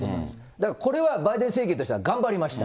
だからこれはバイデン政権としては頑張りました。